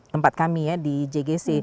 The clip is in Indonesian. tempat kami ya di jgc